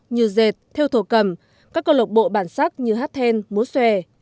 như dệt theo thổ cầm các con lộc bộ bản sát như hát then múa xòe